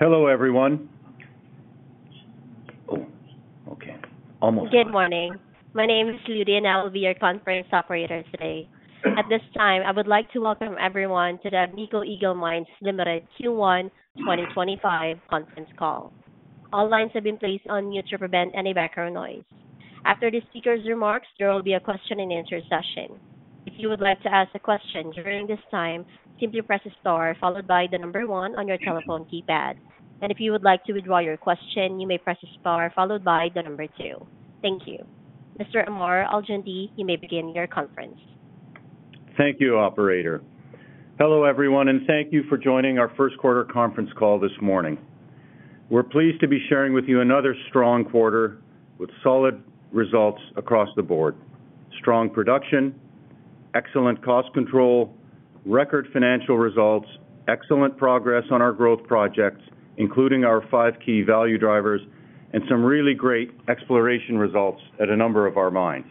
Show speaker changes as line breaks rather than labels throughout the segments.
Hello everyone. Okay, almost.
Good morning. My name is Lydia Nell, your conference operator today. At this time, I would like to welcome everyone to the Agnico Eagle Mines Limited Q1 2025 Conference Call. All lines have been placed on mute to prevent any background noise. After the speaker's remarks, there will be a question-and-answer session. If you would like to ask a question during this time, simply press star followed by the number one on your telephone keypad. If you would like to withdraw your question, you may press star followed by the number two. Thank you. Mr. Ammar Al-Joundi, you may begin your conference.
Thank you, Operator. Hello everyone, and thank you for joining our first quarter conference call this morning. We're pleased to be sharing with you another strong quarter with solid results across the board: strong production, excellent cost control, record financial results, excellent progress on our growth projects, including our five key value drivers, and some really great exploration results at a number of our mines.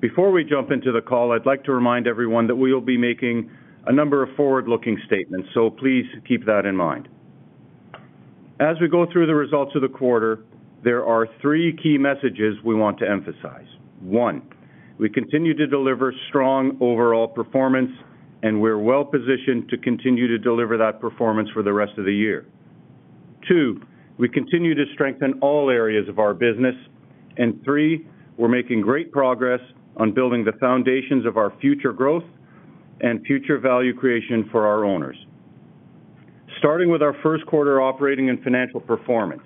Before we jump into the call, I'd like to remind everyone that we will be making a number of forward-looking statements, so please keep that in mind. As we go through the results of the quarter, there are three key messages we want to emphasize. One, we continue to deliver strong overall performance, and we're well positioned to continue to deliver that performance for the rest of the year. Two, we continue to strengthen all areas of our business. We are making great progress on building the foundations of our future growth and future value creation for our owners. Starting with our first quarter operating and financial performance,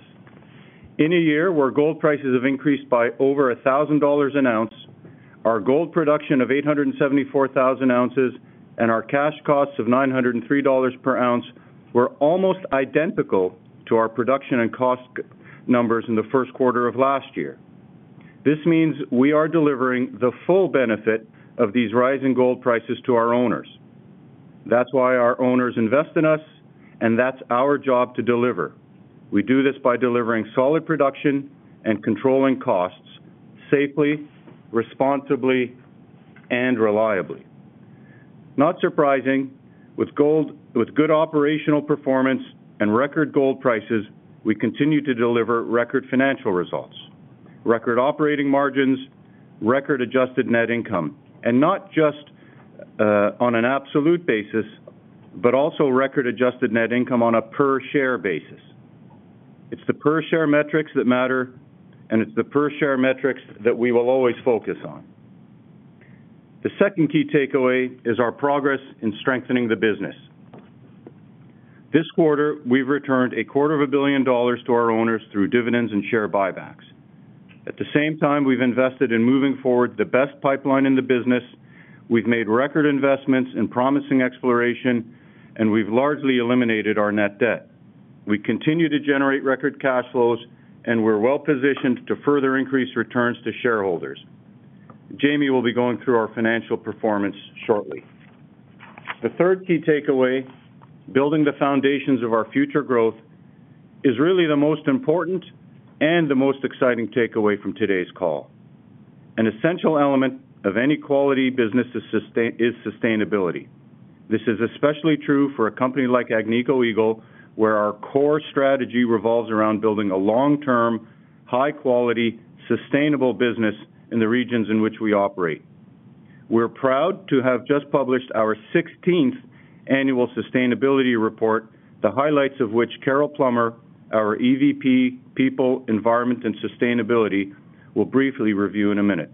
in a year where gold prices have increased by over $1,000 an ounce, our gold production of 874,000 ounces and our cash costs of $903 per ounce were almost identical to our production and cost numbers in the first quarter of last year. This means we are delivering the full benefit of these rising gold prices to our owners. That is why our owners invest in us, and that is our job to deliver. We do this by delivering solid production and controlling costs safely, responsibly, and reliably. Not surprising, with good operational performance and record gold prices, we continue to deliver record financial results, record operating margins, record adjusted net income, and not just on an absolute basis, but also record adjusted net income on a per-share basis. It's the per-share metrics that matter, and it's the per-share metrics that we will always focus on. The second key takeaway is our progress in strengthening the business. This quarter, we've returned a quarter of a billion dollars to our owners through dividends and share buybacks. At the same time, we've invested in moving forward the best pipeline in the business. We've made record investments in promising exploration, and we've largely eliminated our net debt. We continue to generate record cash flows, and we're well positioned to further increase returns to shareholders. Jamie will be going through our financial performance shortly. The third key takeaway, building the foundations of our future growth, is really the most important and the most exciting takeaway from today's call. An essential element of any quality business is sustainability. This is especially true for a company like Agnico Eagle, where our core strategy revolves around building a long-term, high-quality, sustainable business in the regions in which we operate. We're proud to have just published our 16th annual sustainability report, the highlights of which Carol Plummer, our EVP, People, Environment, and Sustainability, will briefly review in a minute.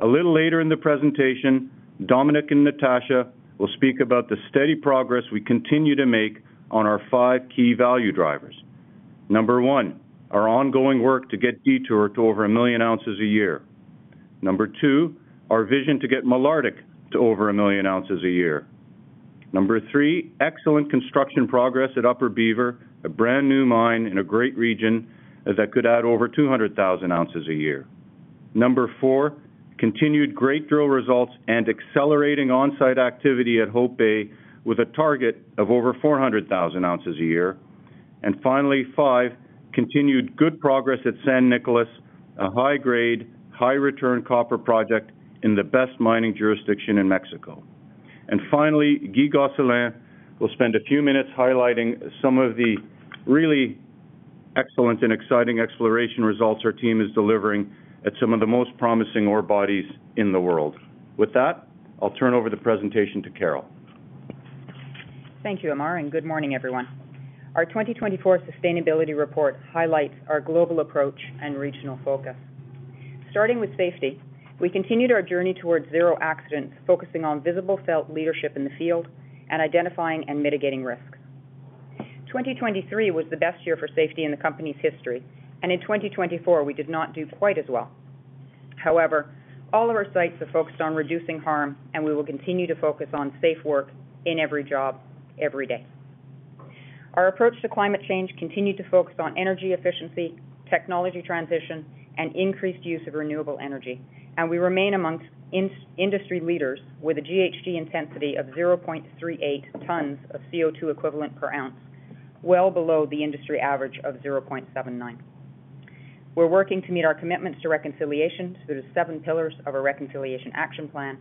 A little later in the presentation, Dominic and Natasha will speak about the steady progress we continue to make on our five key value drivers. Number one, our ongoing work to get Detour to over a million ounces a year. Number two, our vision to get Malartic to over a million ounces a year. Number three, excellent construction progress at Upper Beaver, a brand new mine in a great region that could add over 200,000 ounces a year. Number four, continued great drill results and accelerating onsite activity at Hope Bay with a target of over 400,000 ounces a year. Finally, five, continued good progress at San Nicolas, a high-grade, high-return copper project in the best mining jurisdiction in Mexico. Finally, Guy Gosselin will spend a few minutes highlighting some of the really excellent and exciting exploration results our team is delivering at some of the most promising ore bodies in the world. With that, I'll turn over the presentation to Carol.
Thank you, Ammar, and good morning, everyone. Our 2024 Sustainability Report highlights our global approach and regional focus. Starting with safety, we continued our journey towards zero accidents, focusing on visible leadership in the field and identifying and mitigating risks. 2023 was the best year for safety in the company's history, and in 2024, we did not do quite as well. However, all of our sites are focused on reducing harm, and we will continue to focus on safe work in every job, every day. Our approach to climate change continued to focus on energy efficiency, technology transition, and increased use of renewable energy, and we remain amongst industry leaders with a GHG intensity of 0.38 tons of CO2 equivalent per ounce, well below the industry average of 0.79. We're working to meet our commitments to reconciliation through the seven pillars of our reconciliation action plan,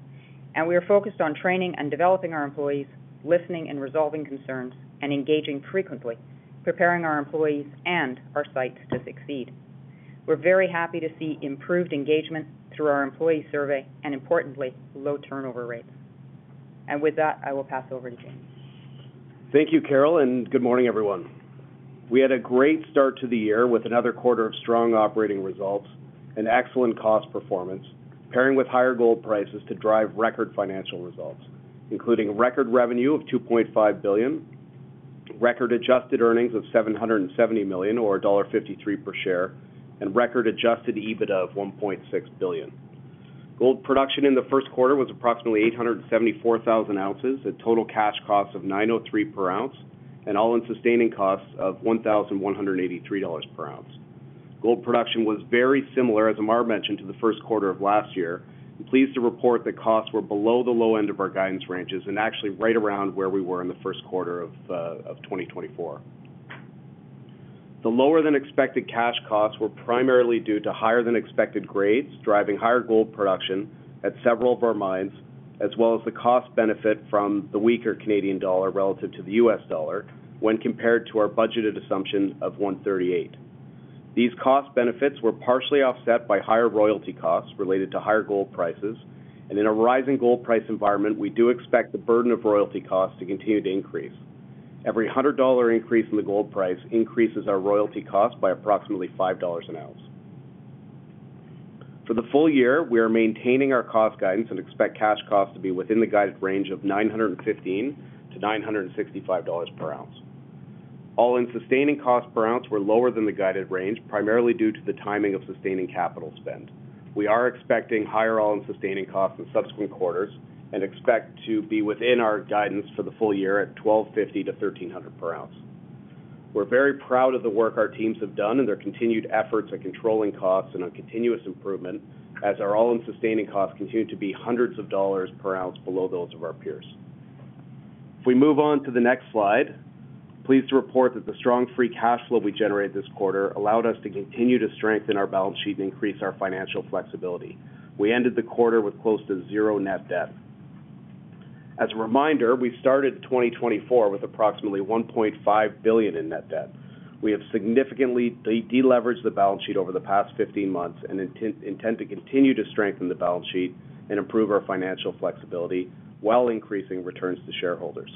and we are focused on training and developing our employees, listening and resolving concerns, and engaging frequently, preparing our employees and our sites to succeed. We're very happy to see improved engagement through our employee survey and, importantly, low turnover rates. With that, I will pass over to Jamie.
Thank you, Carol, and good morning, everyone. We had a great start to the year with another quarter of strong operating results and excellent cost performance, pairing with higher gold prices to drive record financial results, including record revenue of $2.5 billion, record adjusted earnings of $770 million, or $1.53 per share, and record adjusted EBITDA of $1.6 billion. Gold production in the first quarter was approximately 874,000 ounces, a total cash cost of $903 per ounce, and all-in sustaining costs of $1,183 per ounce. Gold production was very similar, as Ammar mentioned, to the first quarter of last year. Pleased to report that costs were below the low end of our guidance ranges and actually right around where we were in the first quarter of 2024. The lower-than-expected cash costs were primarily due to higher-than-expected grades, driving higher gold production at several of our mines, as well as the cost benefit from the weaker Canadian dollar relative to the U.S. dollar when compared to our budgeted assumption of 1.38 CAD/USD. These cost benefits were partially offset by higher royalty costs related to higher gold prices, and in a rising gold price environment, we do expect the burden of royalty costs to continue to increase. Every $100 increase in the gold price increases our royalty cost by approximately $5 an ounce. For the full year, we are maintaining our cost guidance and expect cash costs to be within the guided range of $915-$965 per ounce. All-in sustaining costs per ounce were lower than the guided range, primarily due to the timing of sustaining capital spend. We are expecting higher all-in sustaining costs in subsequent quarters and expect to be within our guidance for the full year at $1,250-$1,300 per ounce. We're very proud of the work our teams have done and their continued efforts at controlling costs and on continuous improvement, as our all-in sustaining costs continue to be hundreds of dollars per ounce below those of our peers. If we move on to the next slide, pleased to report that the strong free cash flow we generated this quarter allowed us to continue to strengthen our balance sheet and increase our financial flexibility. We ended the quarter with close to zero net debt. As a reminder, we started 2024 with approximately $1.5 billion in net debt. We have significantly deleveraged the balance sheet over the past 15 months and intend to continue to strengthen the balance sheet and improve our financial flexibility while increasing returns to shareholders.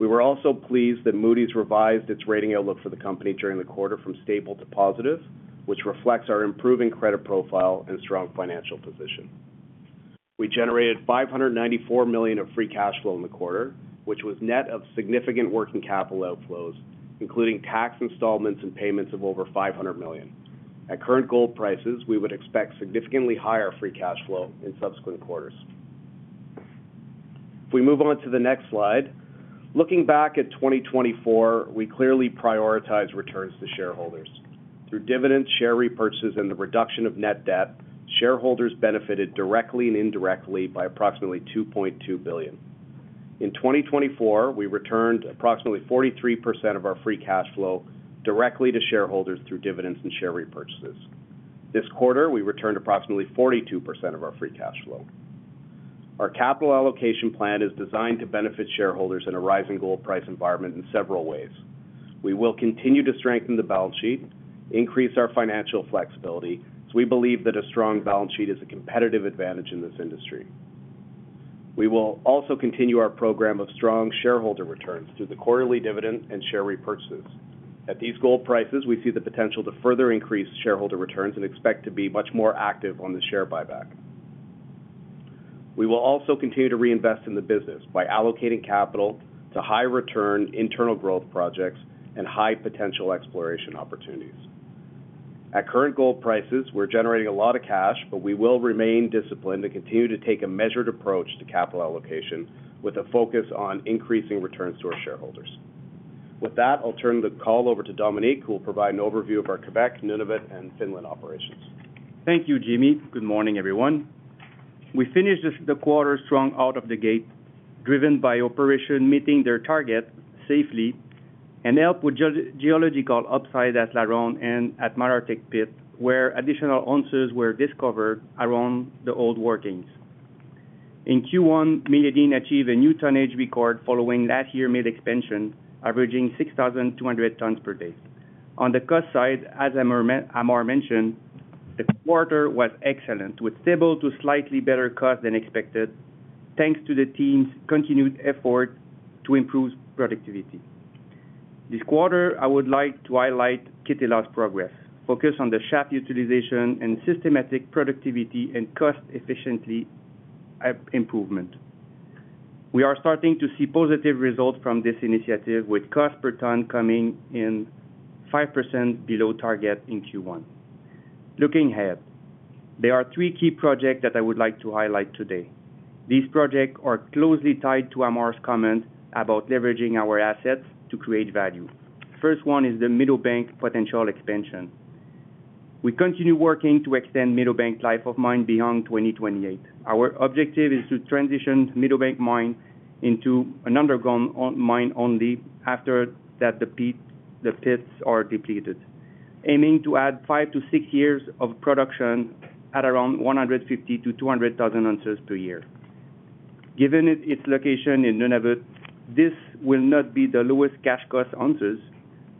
We were also pleased that Moody's revised its rating outlook for the company during the quarter from stable to positive, which reflects our improving credit profile and strong financial position. We generated $594 million of free cash flow in the quarter, which was net of significant working capital outflows, including tax installments and payments of over $500 million. At current gold prices, we would expect significantly higher free cash flow in subsequent quarters. If we move on to the next slide, looking back at 2024, we clearly prioritized returns to shareholders. Through dividends, share repurchases, and the reduction of net debt, shareholders benefited directly and indirectly by approximately $2.2 billion. In 2024, we returned approximately 43% of our free cash flow directly to shareholders through dividends and share repurchases. This quarter, we returned approximately 42% of our free cash flow. Our capital allocation plan is designed to benefit shareholders in a rising gold price environment in several ways. We will continue to strengthen the balance sheet, increase our financial flexibility, as we believe that a strong balance sheet is a competitive advantage in this industry. We will also continue our program of strong shareholder returns through the quarterly dividend and share repurchases. At these gold prices, we see the potential to further increase shareholder returns and expect to be much more active on the share buyback. We will also continue to reinvest in the business by allocating capital to high-return internal growth projects and high-potential exploration opportunities. At current gold prices, we're generating a lot of cash, but we will remain disciplined and continue to take a measured approach to capital allocation with a focus on increasing returns to our shareholders. With that, I'll turn the call over to Dominic, who will provide an overview of our Quebec, Nunavut, and Finland operations.
Thank you, Jamie. Good morning, everyone. We finished the quarter strong out of the gate, driven by operations meeting their target safely and helped with geological upside at La Ronde and at Malartic Pit, where additional ounces were discovered around the old workings. In Q1, Meliadine achieved a new tonnage record following last year's mill expansion, averaging 6,200 tons per day. On the cost side, as Ammar mentioned, the quarter was excellent, with stable to slightly better cost than expected, thanks to the team's continued effort to improve productivity. This quarter, I would like to highlight Kittila's progress, focused on the shaft utilization and systematic productivity and cost-efficient improvement. We are starting to see positive results from this initiative, with cost per ton coming in 5% below target in Q1. Looking ahead, there are three key projects that I would like to highlight today. These projects are closely tied to Ammar's comment about leveraging our assets to create value. The first one is the Meadowbank potential expansion. We continue working to extend Meadowbank life of mine beyond 2028. Our objective is to transition Meadowbank mine into an underground mine only after the pits are depleted, aiming to add five to six years of production at around 150,000-200,000 ounces per year. Given its location in Nunavut, this will not be the lowest cash cost ounces,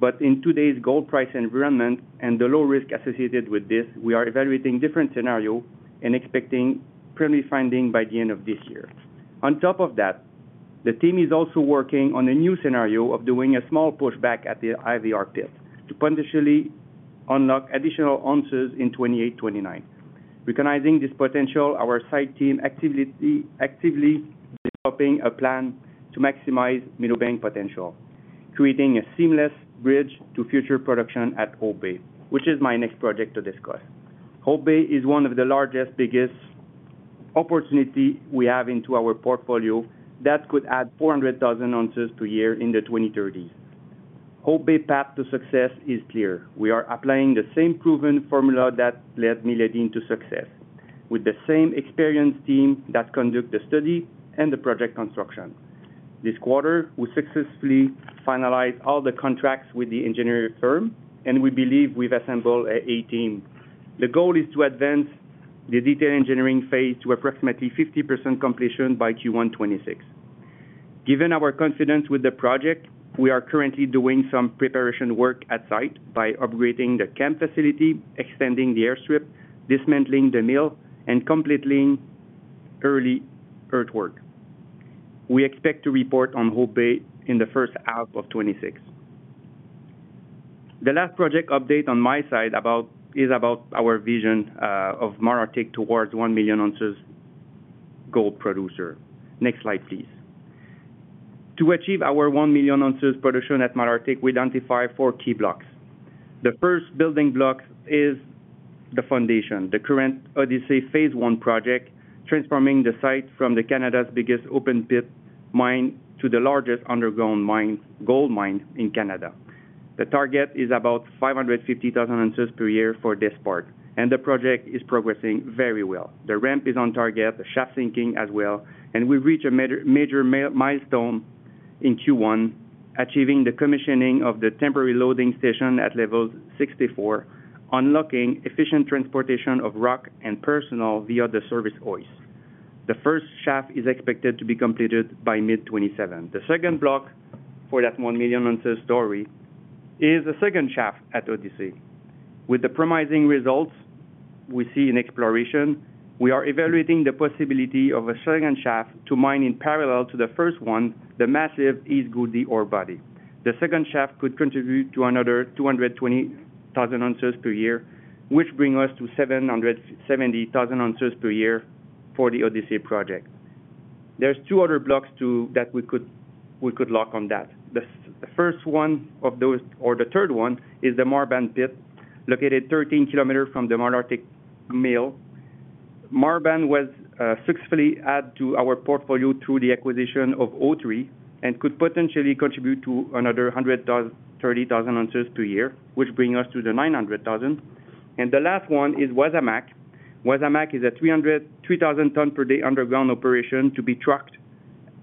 but in today's gold price environment and the low risk associated with this, we are evaluating different scenarios and expecting primary findings by the end of this year. On top of that, the team is also working on a new scenario of doing a small pushback at the IVR Pit to potentially unlock additional ounces in 2028-2029. Recognizing this potential, our site team is actively developing a plan to maximize Meadowbank potential, creating a seamless bridge to future production at Hope Bay, which is my next project to discuss. Hope Bay is one of the largest, biggest opportunities we have in our portfolio that could add 400,000 ounces per year in the 2030s. Hope Bay's path to success is clear. We are applying the same proven formula that led Meliadine to success, with the same experienced team that conducted the study and the project construction. This quarter, we successfully finalized all the contracts with the Engineering Firm, and we believe we've assembled an A team. The goal is to advance the detail engineering phase to approximately 50% completion by Q1 2026. Given our confidence with the project, we are currently doing some preparation work at site by upgrading the camp facility, extending the airstrip, dismantling the mill, and completing early earthwork. We expect to report on Hope Bay in the first half of 2026. The last project update on my side is about our vision of Malartic towards 1-million-ounces gold producer. Next slide, please. To achieve our 1-million-ounces production at Malartic, we identify four key blocks. The first building block is the foundation, the current Odyssey Phase I Project, transforming the site from Canada's biggest open pit mine to the largest underground gold mine in Canada. The target is about 550,000 ounces per year for this part, and the project is progressing very well. The ramp is on target, the shaft sinking as well, and we reached a major milestone in Q1, achieving the commissioning of the temporary loading station at level 64, unlocking efficient transportation of rock and personnel via the service hoists. The first shaft is expected to be completed by mid-2027. The second block for that 1-million-ounces story is the second shaft at Odyssey. With the promising results we see in exploration, we are evaluating the possibility of a second shaft to mine in parallel to the first one, the massive East Gouldie Ore Body. The second shaft could contribute to another 220,000 ounces per year, which brings us to 770,000 ounces per year for the Odyssey Project. There are two other blocks that we could lock on that. The first one of those, or the third one, is the Marban Pit, located 13 km from the Malartic Mill. Marban was successfully added to our portfolio through the acquisition of O3 and could potentially contribute to another 130,000 ounces per year, which brings us to the 900,000 ounces per year. The last one is Wasamac. Wasamac is a 3,000-ton per day underground operation to be trucked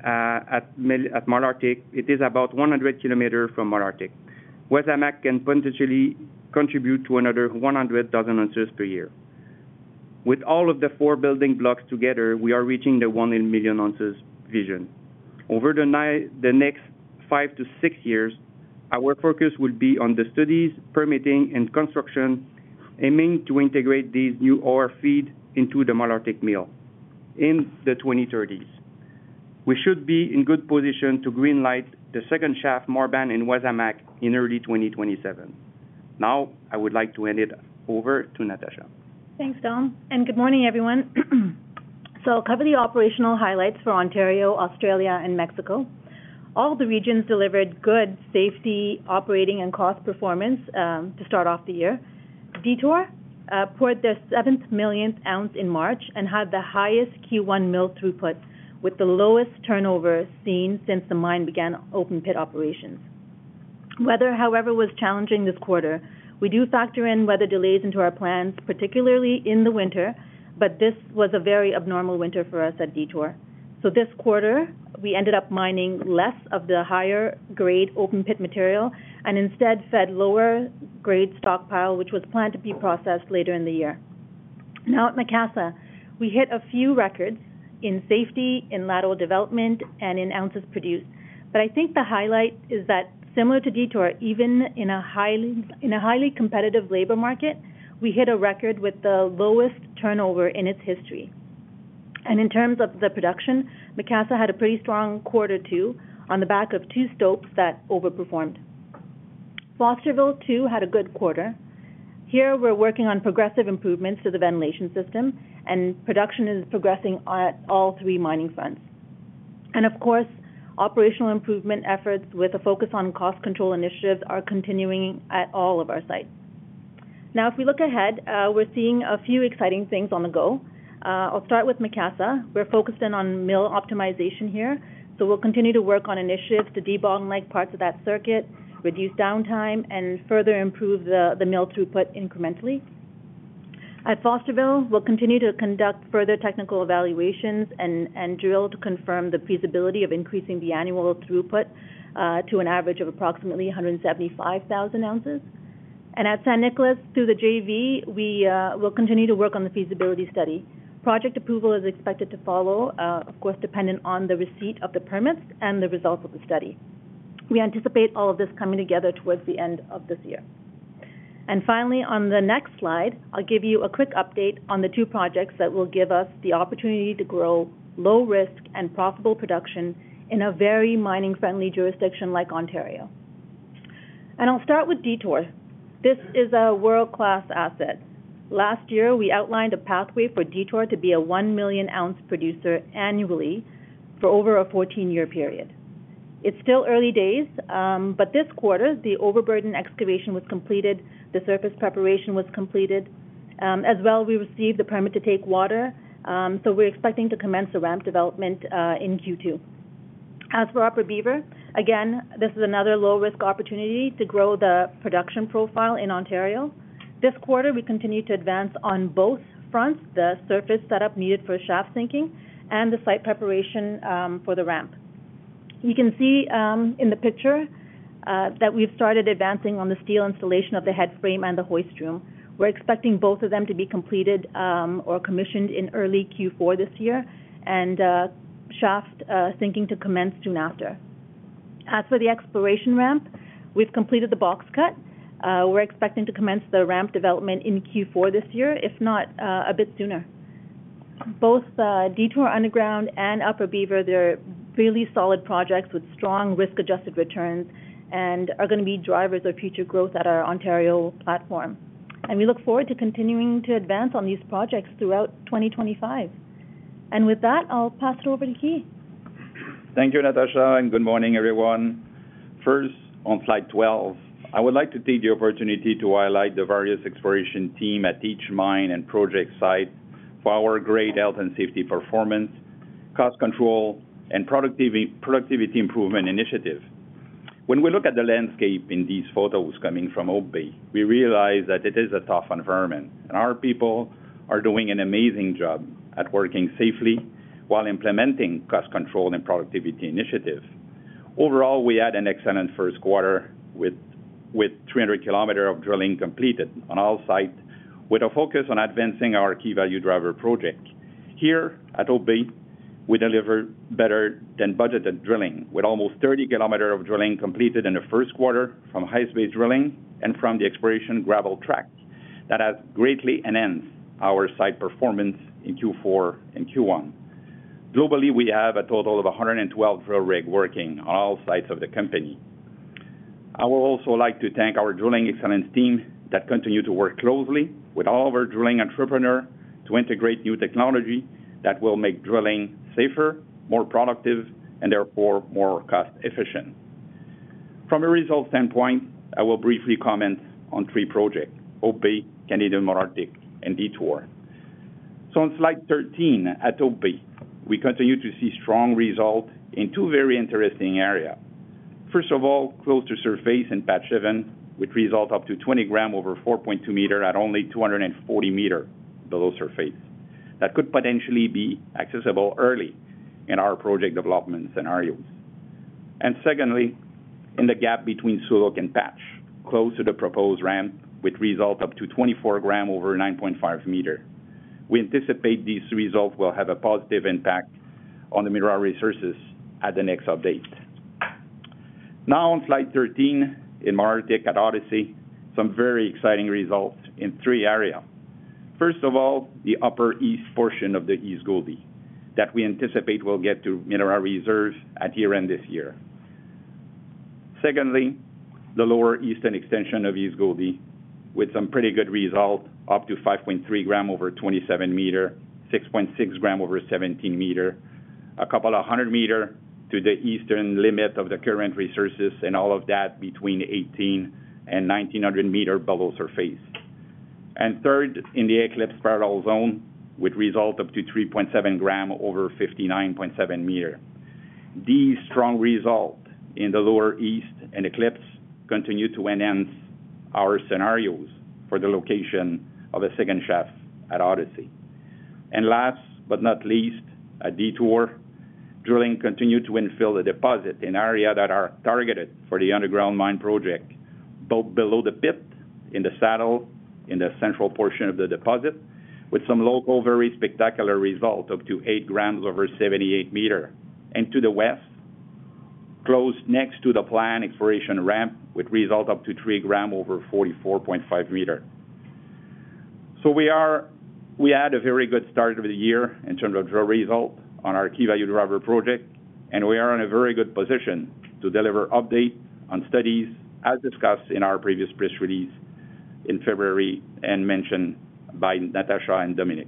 at Malartic. It is about 100 km from Malartic. Wasamac can potentially contribute to another 100,000 ounces per year. With all of the four building blocks together, we are reaching the 1 million ounces vision. Over the next 5 years-6 years, our focus will be on the studies, permitting, and construction, aiming to integrate these new ore feeds into the Malartic Mill in the 2030s. We should be in good position to greenlight the second shaft, Marban and Wasamac, in early 2027. Now, I would like to hand it over to Natasha.
Thanks, Dom. Good morning, everyone. I'll cover the operational highlights for Ontario, Australia, and Mexico. All the regions delivered good safety, operating, and cost performance to start off the year. Detour poured their 7th millionth ounce in March and had the highest Q1 mill throughput, with the lowest turnover seen since the mine began open-pit operations. Weather, however, was challenging this quarter. We do factor in weather delays into our plans, particularly in the winter, but this was a very abnormal winter for us at Detour. This quarter, we ended up mining less of the higher-grade open pit material and instead fed lower-grade stockpiles, which was planned to be processed later in the year. Now, at Macassa, we hit a few records in safety, in lateral development, and in ounces produced. I think the highlight is that, similar to Detour, even in a highly competitive labor market, we hit a record with the lowest turnover in its history. In terms of the production, Macassa had a pretty strong quarter too on the back of two stopes that overperformed. Fosterville, too, had a good quarter. Here, we're working on progressive improvements to the ventilation system, and production is progressing at all three mining fronts. Of course, operational improvement efforts with a focus on cost control initiatives are continuing at all of our sites. Now, if we look ahead, we're seeing a few exciting things on the go. I'll start with Macassa. We're focused in on mill optimization here, so we'll continue to work on initiatives to debug like parts of that circuit, reduce downtime, and further improve the mill throughput incrementally. At Fosterville, we will continue to conduct further technical evaluations and drill to confirm the feasibility of increasing the annual throughput to an average of approximately 175,000 ounces. At San Nicolás, through the JV, we will continue to work on the feasibility study. Project approval is expected to follow, of course, dependent on the receipt of the permits and the results of the study. We anticipate all of this coming together towards the end of this year. Finally, on the next slide, I will give you a quick update on the two projects that will give us the opportunity to grow low-risk and profitable production in a very mining-friendly jurisdiction like Ontario. I will start with Detour. This is a world-class asset. Last year, we outlined a pathway for Detour to be a 1-million-ounce producer annually for over a 14-year period. It's still early days, but this quarter, the overburden excavation was completed, the surface preparation was completed. As well, we received the permit to take water, so we're expecting to commence the ramp development in Q2. As for Upper Beaver, again, this is another low-risk opportunity to grow the production profile in Ontario. This quarter, we continue to advance on both fronts, the surface setup needed for shaft sinking and the site preparation for the ramp. You can see in the picture that we've started advancing on the steel installation of the headframe and the hoistroom. We're expecting both of them to be completed or commissioned in early Q4 this year and shaft sinking to commence soon after. As for the exploration ramp, we've completed the box cut. We're expecting to commence the ramp development in Q4 this year, if not a bit sooner. Both Detour Underground and Upper Beaver, they're really solid projects with strong risk-adjusted returns and are going to be drivers of future growth at our Ontario platform. We look forward to continuing to advance on these projects throughout 2025. With that, I'll pass it over to Guy.
Thank you, Natasha, and good morning, everyone. First, on slide 12, I would like to take the opportunity to highlight the various exploration team at each mine and project site for our great health and safety performance, cost control, and productivity improvement initiative. When we look at the landscape in these photos coming from Hope Bay, we realize that it is a tough environment, and our people are doing an amazing job at working safely while implementing cost control and productivity initiatives. Overall, we had an excellent first quarter with 300 km of drilling completed on all sites, with a focus on advancing our key value driver project. Here at Hope Bay, we deliver better than budgeted drilling with almost 30 km of drilling completed in the first quarter from high-speed drilling and from the exploration gravel track that has greatly enhanced our site performance in Q4 and Q1. Globally, we have a total of 112 drill rigs working on all sites of the company. I would also like to thank our drilling excellence team that continues to work closely with all of our drilling entrepreneurs to integrate new technology that will make drilling safer, more productive, and therefore more cost-efficient. From a results standpoint, I will briefly comment on three projects: Hope Bay, Canadian Malartic, and Detour. On slide 13, at Hope Bay, we continue to see strong results in two very interesting areas. First of all, close to surface in Patch 7, with results up to 20 g/t over 4.2 m at only 240 m below surface that could potentially be accessible early in our project development scenarios. Secondly, in the gap between Suluk and Patch 7, close to the proposed ramp with results up to 24 g/t over 9.5 m. We anticipate these results will have a positive impact on the mineral resources at the next update. Now, on slide 13, in Malartic at Odyssey, some very exciting results in three areas. First of all, the upper east portion of the East Gouldie that we anticipate will get to mineral reserves at year-end this year. Secondly, the lower eastern extension of East Gouldie with some pretty good results, up to 5.3 g/t over 27 m, 6.6 g/t over 17 m, a couple of 100 m to the eastern limit of the current resources, and all of that between 1,800 m-1,900 m below surface. Third, in the Eclipse parallel zone with results up to 3.7 g/t over 59.7 m. These strong results in the lower east and Eclipse continue to enhance our scenarios for the location of a second shaft at Odyssey. Last but not least, at Detour, drilling continues to infill the deposit in areas that are targeted for the underground mine project, both below the pit, in the saddle, in the central portion of the deposit, with some local very spectacular results up to 8 g/t over 78 m. To the west, close next to the planned exploration ramp, with results up to 3 g/t over 44.5 m. We had a very good start of the year in terms of drill result on our key value driver project, and we are in a very good position to deliver updates on studies as discussed in our previous press release in February and mentioned by Natasha and Dominic.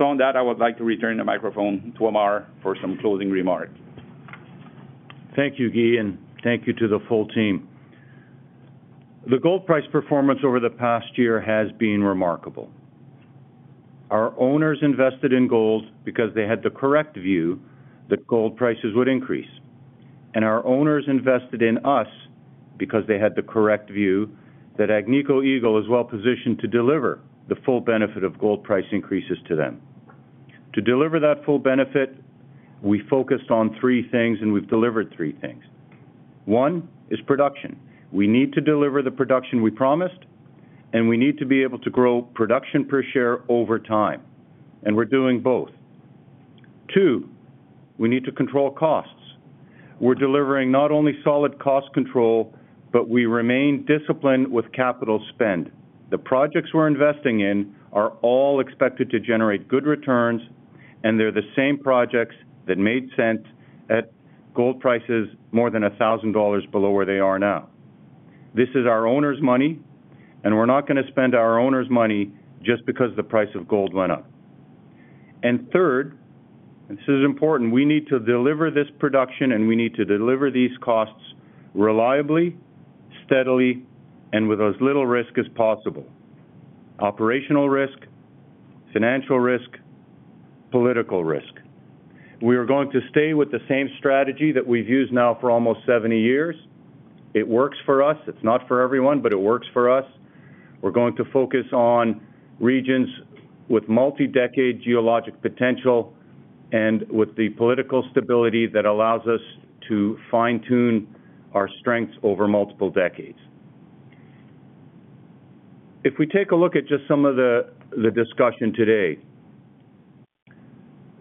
On that, I would like to return the microphone to Ammar for some closing remarks.
Thank you, Guy, and thank you to the full team. The gold price performance over the past year has been remarkable. Our owners invested in gold because they had the correct view that gold prices would increase, and our owners invested in us because they had the correct view that Agnico Eagle is well positioned to deliver the full benefit of gold price increases to them. To deliver that full benefit, we focused on three things, and we've delivered three things. One is production. We need to deliver the production we promised, and we need to be able to grow production per share over time, and we're doing both. Two, we need to control costs. We're delivering not only solid cost control, but we remain disciplined with capital spend. The projects we're investing in are all expected to generate good returns, and they're the same projects that made sense at gold prices more than $1,000 below where they are now. This is our owner's money, and we're not going to spend our owner's money just because the price of gold went up. Third, and this is important, we need to deliver this production, and we need to deliver these costs reliably, steadily, and with as little risk as possible: operational risk, financial risk, political risk. We are going to stay with the same strategy that we've used now for almost 70 years. It works for us. It's not for everyone, but it works for us. We're going to focus on regions with multi-decade geologic potential and with the political stability that allows us to fine-tune our strengths over multiple decades. If we take a look at just some of the discussion today,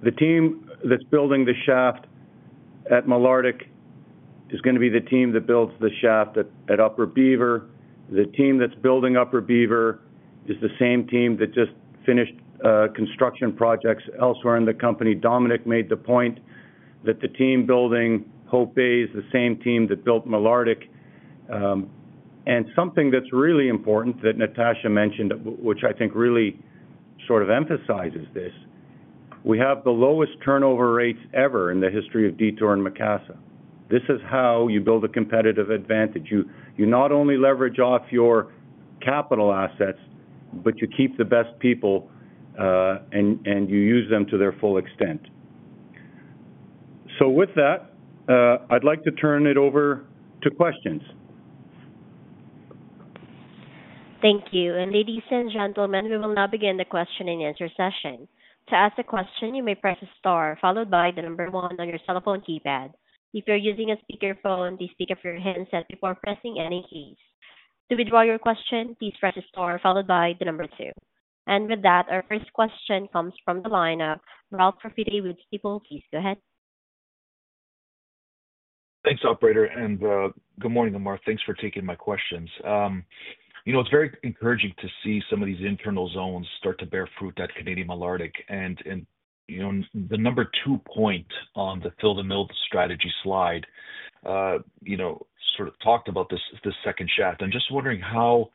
the team that's building the shaft at Malartic is going to be the team that builds the shaft at Upper Beaver. The team that's building Upper Beaver is the same team that just finished construction projects elsewhere in the company. Dominic made the point that the team building Hope Bay is the same team that built Malartic. Something that's really important that Natasha mentioned, which I think really sort of emphasizes this, we have the lowest turnover rates ever in the history of Detour and Meliadine. This is how you build a competitive advantage. You not only leverage off your capital assets, but you keep the best people, and you use them to their full extent. With that, I'd like to turn it over to questions.
Thank you. Ladies and gentlemen, we will now begin the question and answer session. To ask a question, you may press star followed by the number one on your cell phone keypad. If you're using a speakerphone, please pick up your headset before pressing any keys. To withdraw your question, please press star followed by the number two. With that, our first question comes from the line of Ralph Profiti with Stifel. Please go ahead.
Thanks, Operator. Good morning, Ammar. Thanks for taking my questions. It's very encouraging to see some of these internal zones start to bear fruit at Canadian Malartic. The number two point on the Fill The Mill Strategy slide sort of talked about this second shaft. I'm just wondering how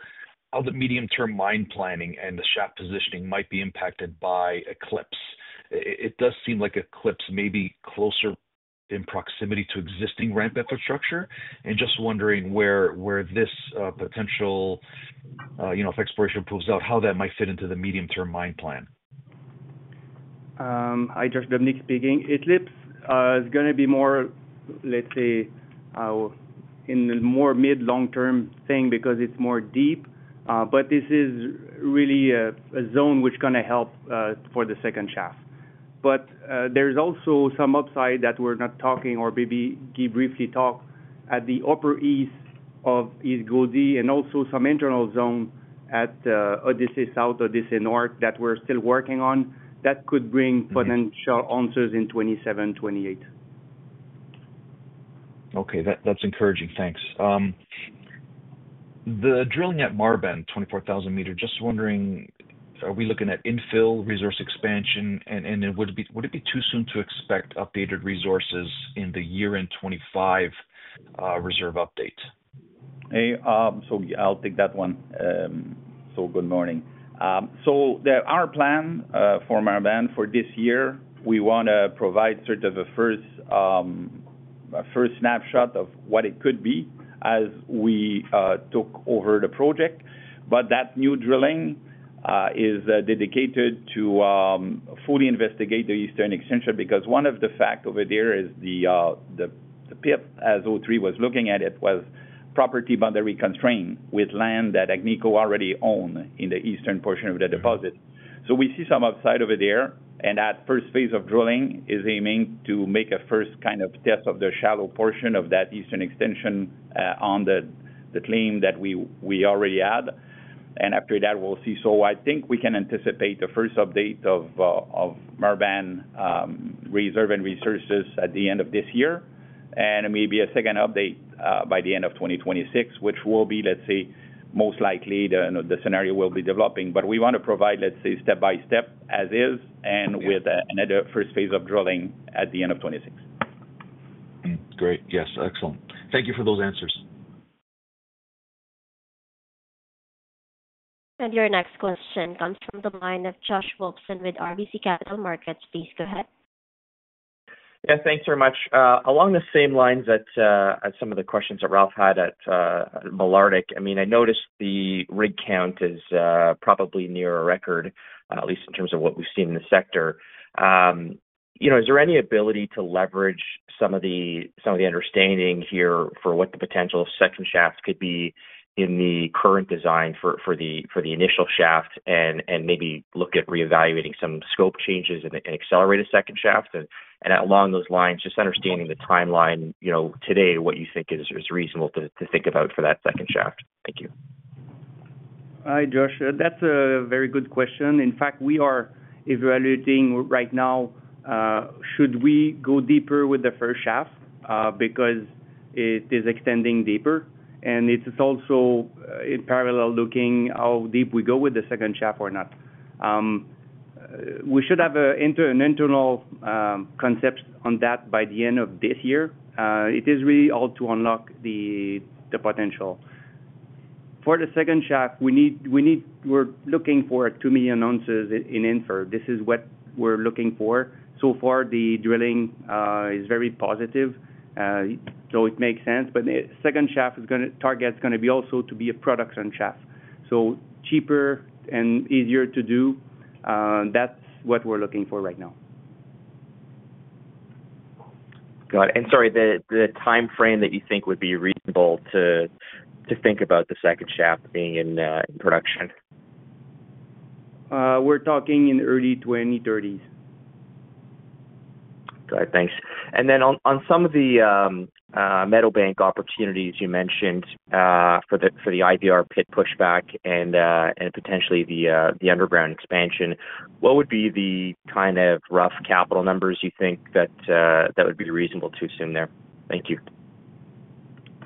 the medium-term mine planning and the shaft positioning might be impacted by Eclipse. It does seem like Eclipse may be closer in proximity to existing ramp infrastructure. Just wondering where this potential, if exploration proves out, how that might fit into the medium-term mine plan.
Hi, Dominic speaking. Eclipse is going to be more, let's say, in the more mid-long-term thing because it's more deep. This is really a zone which is going to help for the second shaft. There is also some upside that we're not talking or maybe briefly talked at the upper east of East Gouldie and also some internal zone at Odyssey South, Odyssey North that we're still working on that could bring potential answers in 2027, 2028.
Okay. That's encouraging. Thanks. The drilling at Marban, 24,000 m, just wondering, are we looking at infill resource expansion? And would it be too soon to expect updated resources in the year-end 2025 reserve update?
I'll take that one. Good morning. Our plan for Marban for this year, we want to provide sort of a first snapshot of what it could be as we took over the project. That new drilling is dedicated to fully investigate the eastern extension because one of the facts over there is the pit, as O3 was looking at it, was property boundary constraint with land that Agnico already owned in the eastern portion of the deposit. We see some upside over there. That first phase of drilling is aiming to make a first kind of test of the shallow portion of that eastern extension on the claim that we already had. After that, we'll see. I think we can anticipate the first update of Marban reserve and resources at the end of this year, and maybe a second update by the end of 2026, which will be, let's say, most likely the scenario will be developing. We want to provide, let's say, step by step as is and with another first phase of drilling at the end of 2026.
Great. Yes. Excellent. Thank you for those answers.
Your next question comes from the line of Josh Wolfson with RBC Capital Markets. Please go ahead.
Yeah. Thanks very much. Along the same lines that some of the questions that Ralph had at Malartic, I mean, I noticed the rig count is probably near a record, at least in terms of what we've seen in the sector. Is there any ability to leverage some of the understanding here for what the potential of second shafts could be in the current design for the initial shaft and maybe look at reevaluating some scope changes and accelerate a second shaft? Along those lines, just understanding the timeline today, what you think is reasonable to think about for that second shaft. Thank you.
Hi, Josh. That's a very good question. In fact, we are evaluating right now, should we go deeper with the first shaft because it is extending deeper? It is also in parallel looking how deep we go with the second shaft or not. We should have an internal concept on that by the end of this year. It is really all to unlock the potential. For the second shaft, we're looking for 2 million ounces in infer. This is what we're looking for. So far, the drilling is very positive, it makes sense. The second shaft target is going to be also to be a production shaft. Cheaper and easier to do, that's what we're looking for right now.
Got it. Sorry, the timeframe that you think would be reasonable to think about the second shaft being in production?
We're talking in the early 2030s.
Got it. Thanks. On some of the Meadowbank opportunities you mentioned for the IVR pit pushback and potentially the underground expansion, what would be the kind of rough capital numbers you think that would be reasonable to assume there? Thank you.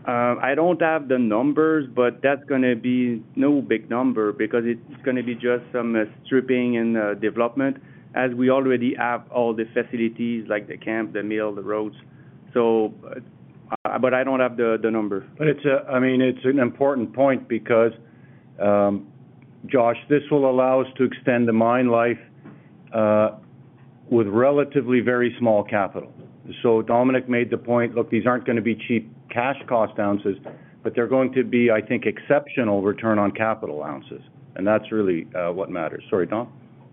I don't have the numbers, but that's going to be no big number because it's going to be just some stripping and development as we already have all the facilities like the camp, the mill, the roads. I don't have the numbers.
I mean, it's an important point because, Josh, this will allow us to extend the mine life with relatively very small capital. Dominic made the point, look, these aren't going to be cheap cash cost ounces, but they're going to be, I think, exceptional return on capital ounces. That's really what matters. Sorry, Dom?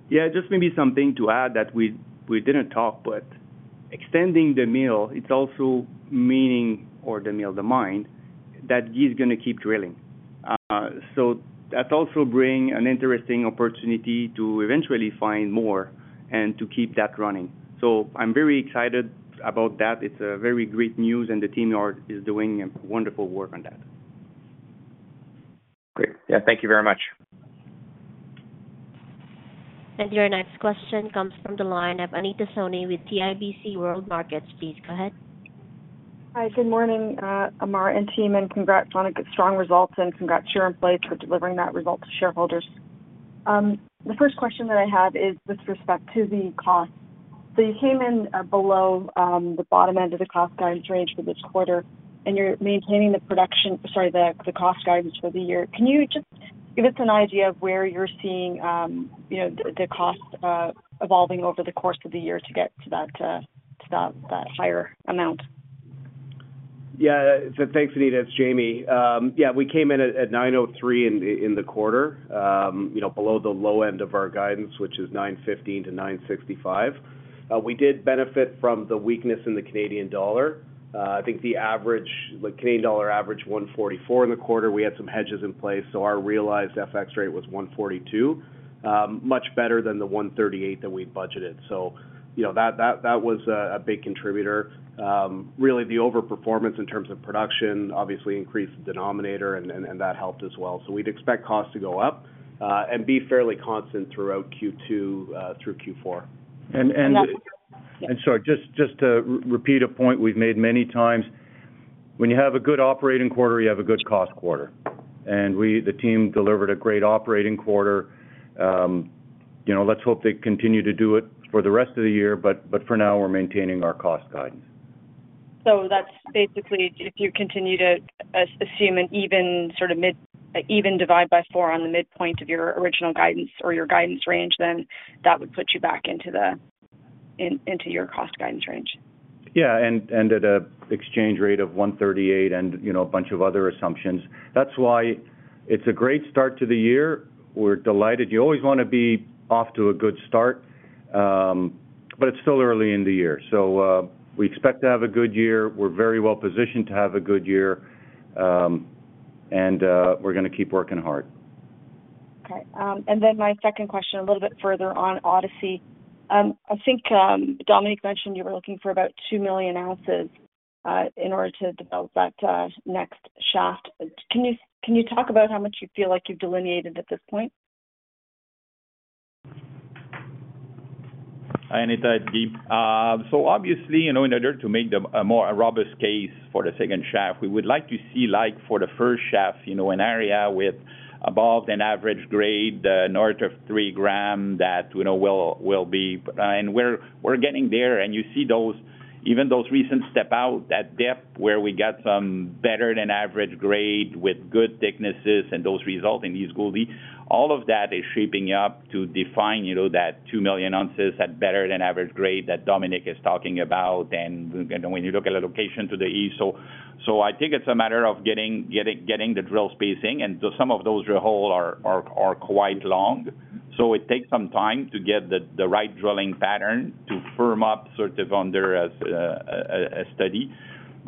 Yeah. Just maybe something to add that we didn't talk about. Extending the mill, it's also meaning, or the mill, the mine, that he's going to keep drilling. That also brings an interesting opportunity to eventually find more and to keep that running. I'm very excited about that. It's very great news, and the team is doing wonderful work on that.
Great. Yeah. Thank you very much.
Your next question comes from the line of Anita Soni with CIBC Capital Markets. Please go ahead.
Hi. Good morning, Ammar and team, and congrats on a strong result, and congrats to your employees for delivering that result to shareholders. The first question that I have is with respect to the cost. You came in below the bottom end of the cost guidance range for this quarter, and you're maintaining the production, sorry, the cost guidance for the year. Can you just give us an idea of where you're seeing the cost evolving over the course of the year to get to that higher amount?
Yeah. Thanks, Anita. It's Jamie. Yeah. We came in at $903 in the quarter, below the low end of our guidance, which is $915-$965. We did benefit from the weakness in the Canadian dollar. I think the Canadian dollar averaged 1.44 in the quarter. We had some hedges in place, so our realized FX rate was 1.42, much better than the 1.38 that we'd budgeted. That was a big contributor. Really, the overperformance in terms of production obviously increased the denominator, and that helped as well. We'd expect costs to go up and be fairly constant throughout Q2-Q4.
Sorry, just to repeat a point we've made many times, when you have a good operating quarter, you have a good cost quarter. The team delivered a great operating quarter. Let's hope they continue to do it for the rest of the year, but for now, we're maintaining our cost guidance.
That is basically if you continue to assume an even sort of mid even divide by four on the midpoint of your original guidance or your guidance range, then that would put you back into your cost guidance range.
Yeah. At an exchange rate of 1.38 and a bunch of other assumptions. That is why it is a great start to the year. We are delighted. You always want to be off to a good start, but it is still early in the year. We expect to have a good year. We are very well positioned to have a good year, and we are going to keep working hard.
Okay. My second question a little bit further on Odyssey. I think Dominic mentioned you were looking for about 2 million ounces in order to develop that next shaft. Can you talk about how much you feel like you've delineated at this point?
Hi, Anita. Obviously, in order to make a more robust case for the second shaft, we would like to see, like for the first shaft, an area with above-than-average grade north of 3 g that will be, and we're getting there. You see even those recent step out at depth where we got some better-than-average grade with good thicknesses, and those results in East Gouldie, all of that is shaping up to define that 2 million ounces at better-than-average grade that Dominic is talking about. When you look at the location to the east, I think it's a matter of getting the drill spacing. Some of those drill holes are quite long, so it takes some time to get the right drilling pattern to firm up sort of under a study.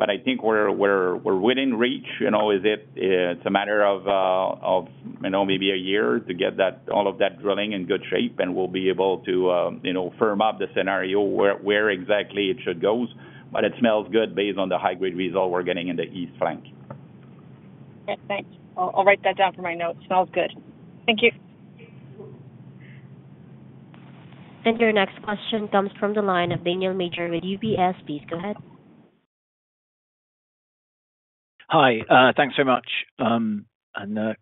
I think we're within reach. It's a matter of maybe a year to get all of that drilling in good shape, and we'll be able to firm up the scenario where exactly it should go. It smells good based on the high-grade result we're getting in the east flank.
Okay. Thanks. I'll write that down for my notes. Smells good. Thank you.
Your next question comes from the line of Daniel Major with UBS. Please go ahead.
Hi. Thanks very much.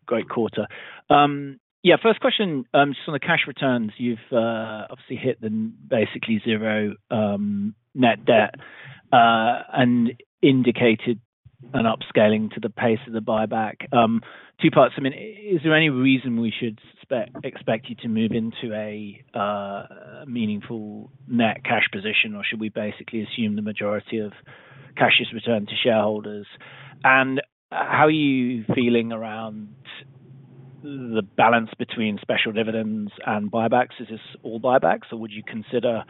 Great quarter. Yeah. First question, just on the cash returns. You've obviously hit basically zero net debt and indicated an upscaling to the pace of the buyback. Two parts. I mean, is there any reason we should expect you to move into a meaningful net cash position, or should we basically assume the majority of cash is returned to shareholders? How are you feeling around the balance between special dividends and buybacks? Is this all buybacks, or would you consider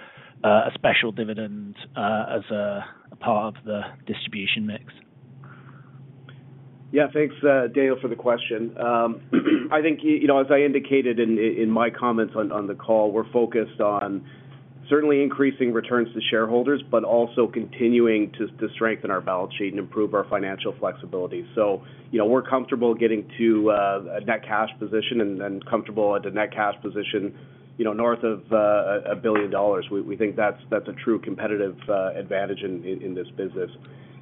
a special dividend as a part of the distribution mix?
Yeah. Thanks, Dale, for the question. I think, as I indicated in my comments on the call, we're focused on certainly increasing returns to shareholders, but also continuing to strengthen our balance sheet and improve our financial flexibility. We are comfortable getting to a net cash position and comfortable at a net cash position north of $1 billion. We think that's a true competitive advantage in this business.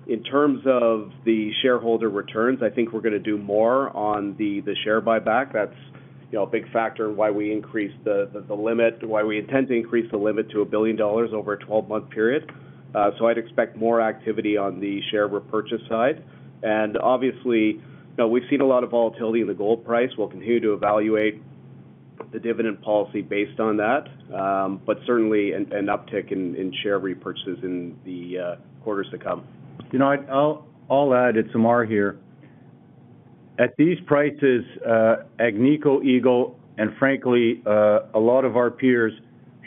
In terms of the shareholder returns, I think we're going to do more on the share buyback. That's a big factor in why we increased the limit, why we intend to increase the limit to $1 billion over a 12-month period. I would expect more activity on the share repurchase side. Obviously, we've seen a lot of volatility in the gold price. We'll continue to evaluate the dividend policy based on that, but certainly an uptick in share repurchases in the quarters to come.
You know what? I'll add, it's Ammar here. At these prices, Agnico Eagle, and frankly, a lot of our peers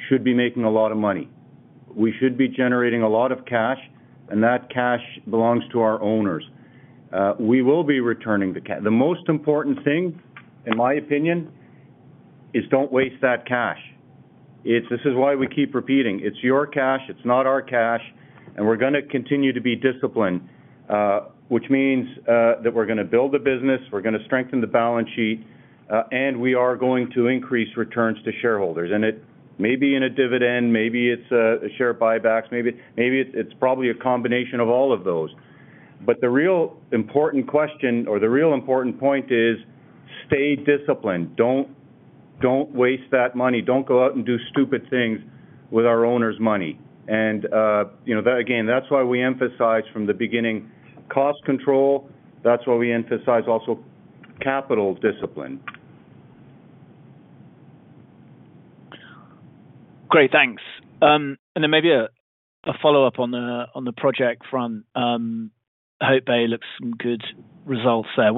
should be making a lot of money. We should be generating a lot of cash, and that cash belongs to our owners. We will be returning the cash. The most important thing, in my opinion, is don't waste that cash. This is why we keep repeating, it's your cash. It's not our cash. We're going to continue to be disciplined, which means that we're going to build the business. We're going to strengthen the balance sheet, and we are going to increase returns to shareholders. It may be in a dividend. Maybe it's share buybacks. Maybe it's probably a combination of all of those. The real important question or the real important point is stay disciplined. Don't waste that money. Don't go out and do stupid things with our owners' money. Again, that's why we emphasize from the beginning cost control. That's why we emphasize also capital discipline.
Great. Thanks. Maybe a follow-up on the project front. Hope Bay looks some good results there.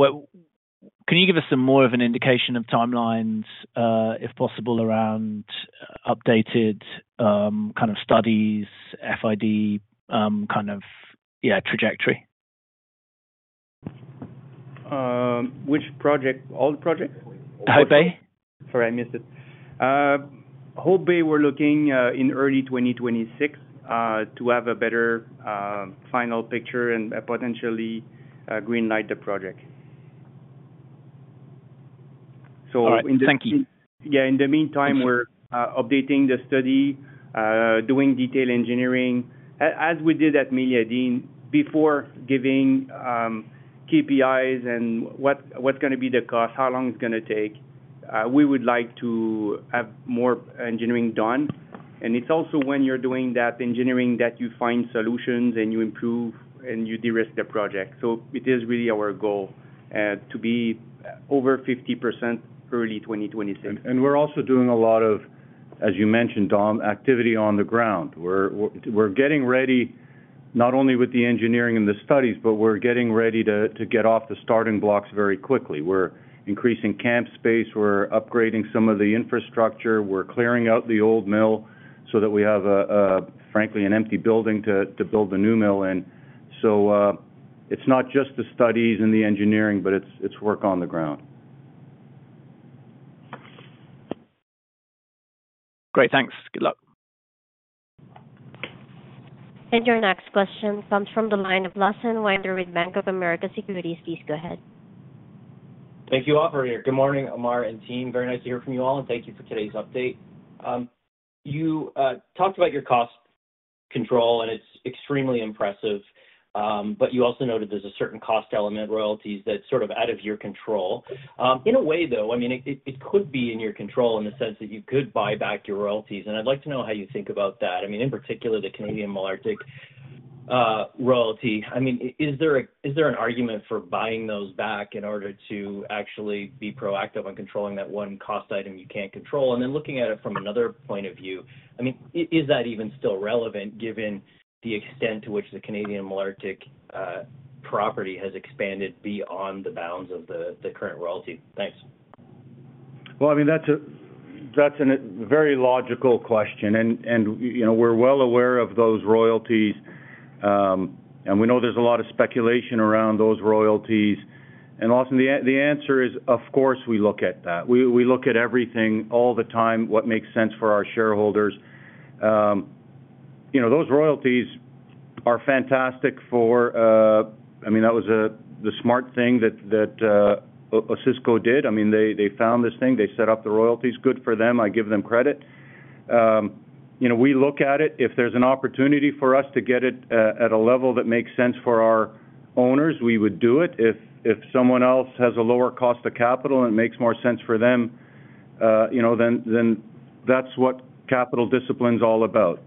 Can you give us some more of an indication of timelines, if possible, around updated kind of studies, FID kind of, yeah, trajectory?
Which project? All the projects? Hope Bay. Sorry, I missed it. Hope Bay, we're looking in early 2026 to have a better final picture and potentially greenlight the project.
All right. Thank you.
Yeah. In the meantime, we're updating the study, doing detail engineering as we did at Meliadine before giving KPIs and what's going to be the cost, how long it's going to take. We would like to have more engineering done. It is also when you're doing that engineering that you find solutions and you improve and you de-risk the project. It is really our goal to be over 50% early 2026.
We are also doing a lot of, as you mentioned, Dom, activity on the ground. We are getting ready not only with the engineering and the studies, but we are getting ready to get off the starting blocks very quickly. We are increasing camp space. We are upgrading some of the infrastructure. We are clearing out the old mill so that we have, frankly, an empty building to build the new mill in. It is not just the studies and the engineering, but it is work on the ground.
Great. Thanks. Good luck.
Your next question comes from the line of Lawson Winder with Bank of America Securities. Please go ahead.
Thank you, Operator here. Good morning, Ammar and team. Very nice to hear from you all, and thank you for today's update. You talked about your cost control, and it's extremely impressive. You also noted there's a certain cost element, royalties, that's sort of out of your control. In a way, though, I mean, it could be in your control in the sense that you could buy back your royalties. I'd like to know how you think about that. I mean, in particular, the Canadian Malartic royalty. I mean, is there an argument for buying those back in order to actually be proactive on controlling that one cost item you can't control? Looking at it from another point of view, I mean, is that even still relevant given the extent to which the Canadian Malartic property has expanded beyond the bounds of the current royalty? Thanks.
That is a very logical question. We are well aware of those royalties, and we know there is a lot of speculation around those royalties. Lawson, the answer is, of course, we look at that. We look at everything all the time, what makes sense for our shareholders. Those royalties are fantastic for, I mean, that was the smart thing that Osisko did. I mean, they found this thing. They set up the royalties. Good for them. I give them credit. We look at it. If there is an opportunity for us to get it at a level that makes sense for our owners, we would do it. If someone else has a lower cost of capital and it makes more sense for them, then that is what capital discipline is all about.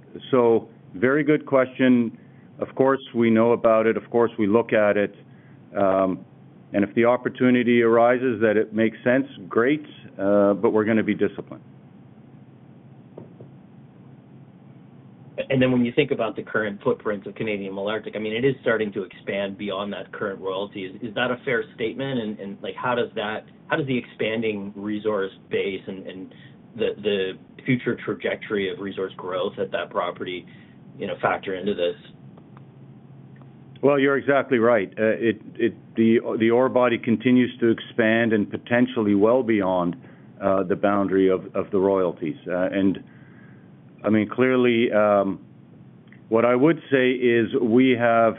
Very good question. Of course, we know about it. Of course, we look at it. If the opportunity arises that it makes sense, great. We are going to be disciplined.
When you think about the current footprint of Canadian Malartic, I mean, it is starting to expand beyond that current royalty. Is that a fair statement? How does the expanding resource base and the future trajectory of resource growth at that property factor into this?
You are exactly right. The ore body continues to expand and potentially well beyond the boundary of the royalties. I mean, clearly, what I would say is we have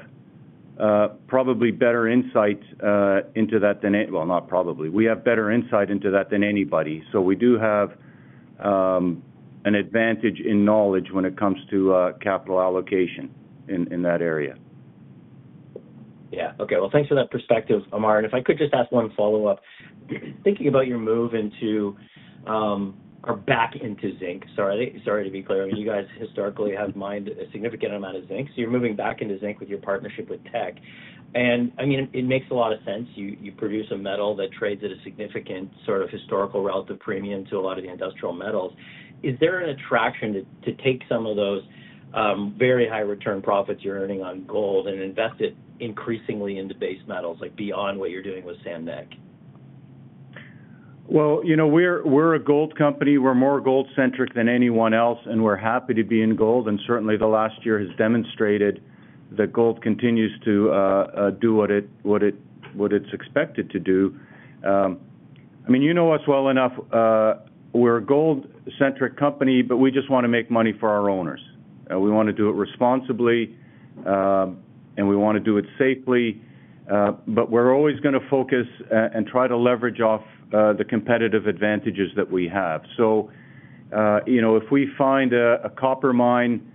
probably better insight into that than any—well, not probably. We have better insight into that than anybody. We do have an advantage in knowledge when it comes to capital allocation in that area.
Yeah. Okay. Thanks for that perspective, Ammar. If I could just ask one follow-up, thinking about your move into or back into zinc—sorry, to be clear—I mean, you guys historically have mined a significant amount of zinc. You are moving back into zinc with your partnership with Teck. I mean, it makes a lot of sense. You produce a metal that trades at a significant sort of historical relative premium to a lot of the industrial metals. Is there an attraction to take some of those very high-return profits you are earning on gold and invest it increasingly into base metals beyond what you are doing with San Nic?
We're a gold company. We're more gold-centric than anyone else, and we're happy to be in gold. Certainly, the last year has demonstrated that gold continues to do what it's expected to do. I mean, you know us well enough. We're a gold-centric company, but we just want to make money for our owners. We want to do it responsibly, and we want to do it safely. We're always going to focus and try to leverage off the competitive advantages that we have. If we find a copper mine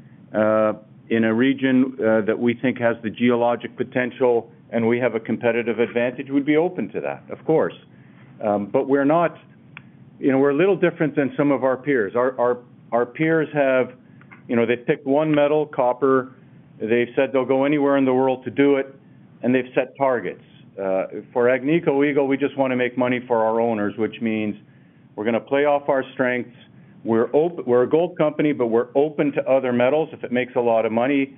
in a region that we think has the geologic potential and we have a competitive advantage, we'd be open to that, of course. We're a little different than some of our peers. Our peers have—they picked one metal, copper. They've said they'll go anywhere in the world to do it, and they've set targets. For Agnico Eagle, we just want to make money for our owners, which means we're going to play off our strengths. We're a gold company, but we're open to other metals. If it makes a lot of money,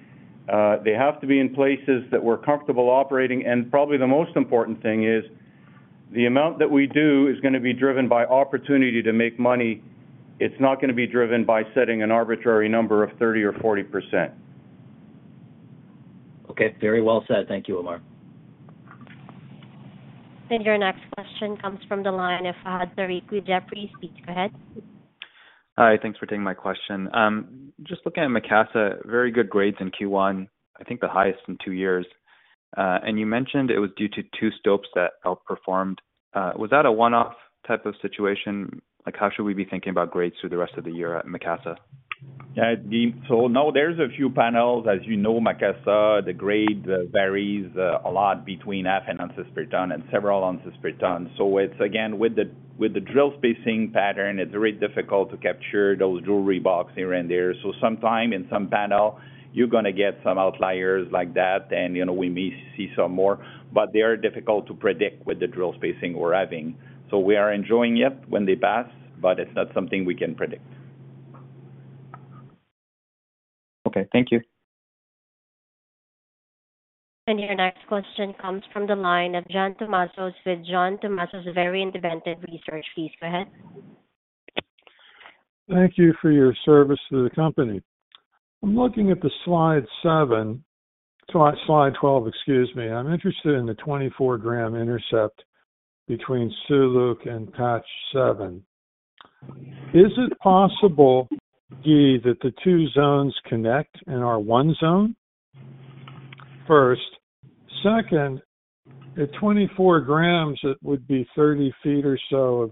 they have to be in places that we're comfortable operating. Probably the most important thing is the amount that we do is going to be driven by opportunity to make money. It's not going to be driven by setting an arbitrary number of 30% or 40%.
Okay. Very well said. Thank you, Ammar.
Your next question comes from the line of Fahad Tariq with Jefferies. Please go ahead.
Hi. Thanks for taking my question. Just looking at Macassa, very good grades in Q1. I think the highest in two years. You mentioned it was due to two stopes that outperformed. Was that a one-off type of situation? How should we be thinking about grades through the rest of the year at Macassa?
Yeah. Now there are a few panels. As you know, Macassa, the grade varies a lot between half and unsuspectant and several unsuspectants. It is, again, with the drill spacing pattern, very difficult to capture those jewelry box here and there. Sometimes in some panel, you are going to get some outliers like that, and we may see some more. They are difficult to predict with the drill spacing we are having. We are enjoying it when they pass, but it is not something we can predict.
Okay. Thank you.
Your next question comes from the line of John Tumazos with John Tumazos Very Independent Research. Please go ahead.
Thank you for your service to the company. I'm looking at slide 7—slide 12, excuse me. I'm interested in the 24 g/t intercept between Suluk and Patch 7. Is it possible, Guy, that the two zones connect and are one zone? First, second, at 24 g/t, it would be 30 ft or so of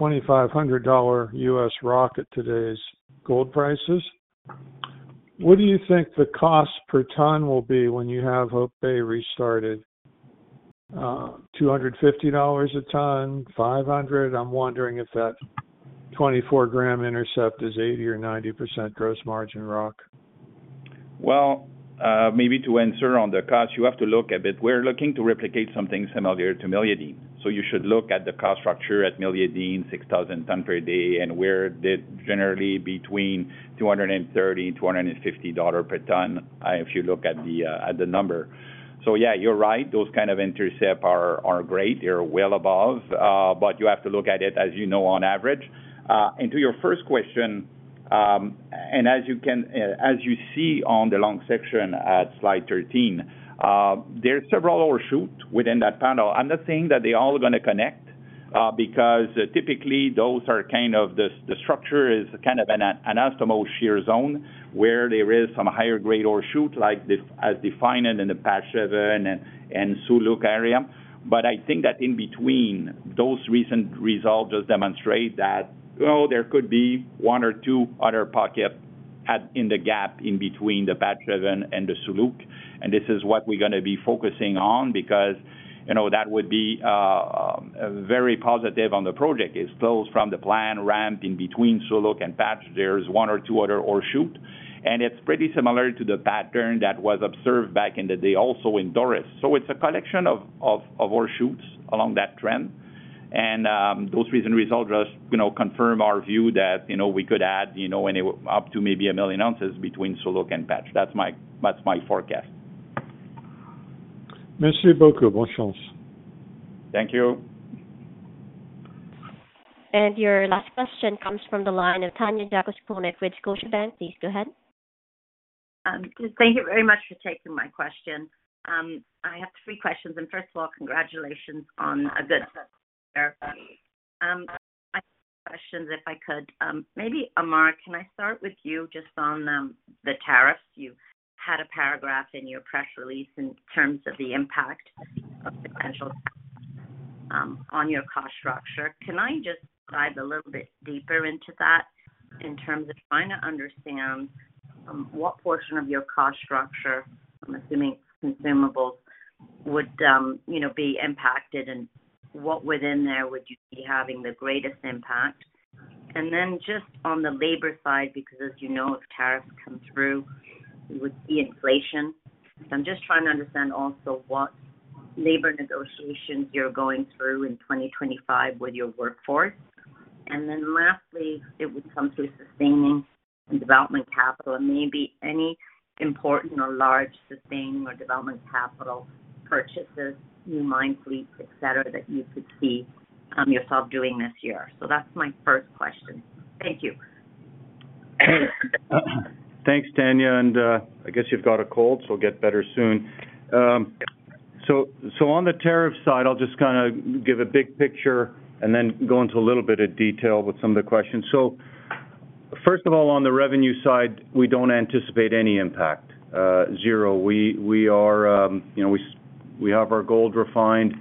$2,500 US rock at today's gold prices. What do you think the cost per ton will be when you have Hope Bay restarted? $250 a ton, $500? I'm wondering if that 24 g/t intercept is 80% or 90% gross margin rock.
Maybe to answer on the cost, you have to look at it. We're looking to replicate something similar to Meliadine. You should look at the cost structure at Meliadine, 6,000 ton per day, and we're generally between $230-$250 per ton if you look at the number. Yeah, you're right. Those kind of intercepts are great. They're well above. You have to look at it, as you know, on average. To your first question, as you see on the long section at slide 13, there's several overshoots within that panel. I'm not saying that they're all going to connect because typically, those are kind of the structure is kind of an anastomosis shear zone where there is some higher-grade overshoot as defined in the Patch 7 and Suluk area. I think that in between, those recent results just demonstrate that there could be one or two other pockets in the gap in between Patch 7 and the Suluk. This is what we're going to be focusing on because that would be very positive on the project. It's close from the planned ramp in between Suluk and Patch. There's one or two other overshoots. It's pretty similar to the pattern that was observed back in the day also in Doris. It's a collection of overshoots along that trend. Those recent results just confirm our view that we could add up to maybe a million ounces between Suluk and Patch. That's my forecast.
Merci beaucoup. Bonne chance.
Thank you.
Your last question comes from the line of Tanya Jakusconek with Scotiabank. Please go ahead.
Thank you very much for taking my question. I have three questions. First of all, congratulations on a good set of papers. I have a few questions, if I could. Maybe, Ammar, can I start with you just on the tariffs? You had a paragraph in your press release in terms of the impact of potential tariffs on your cost structure. Can I just dive a little bit deeper into that in terms of trying to understand what portion of your cost structure, I'm assuming consumables, would be impacted and what within there would you be having the greatest impact? Just on the labor side, because as you know, if tariffs come through, it would be inflation. I am just trying to understand also what labor negotiations you're going through in 2025 with your workforce. Lastly, it would come to sustaining and development capital and maybe any important or large sustaining or development capital purchases, new mine fleets, etc., that you could see yourself doing this year. That is my first question. Thank you.
Thanks, Tanya. I guess you've got a cold, so it'll get better soon. On the tariff side, I'll just kind of give a big picture and then go into a little bit of detail with some of the questions. First of all, on the revenue side, we don't anticipate any impact, zero. We have our gold refined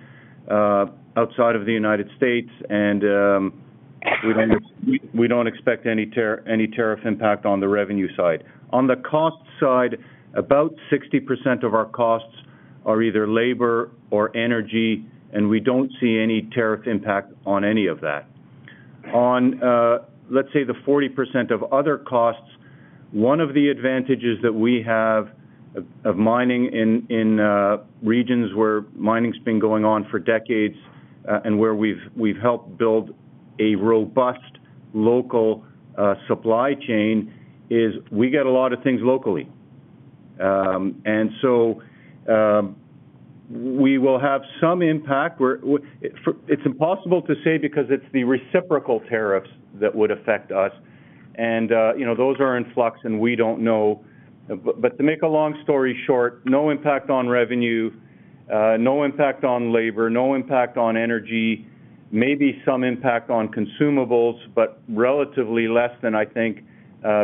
outside of the U.S., and we don't expect any tariff impact on the revenue side. On the cost side, about 60% of our costs are either labor or energy, and we don't see any tariff impact on any of that. On, let's say, the 40% of other costs, one of the advantages that we have of mining in regions where mining's been going on for decades and where we've helped build a robust local supply chain is we get a lot of things locally. We will have some impact. It's impossible to say because it's the reciprocal tariffs that would affect us. Those are in flux, and we don't know. To make a long story short, no impact on revenue, no impact on labor, no impact on energy, maybe some impact on consumables, but relatively less than I think